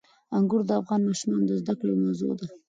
انګور د افغان ماشومانو د زده کړې یوه موضوع ده.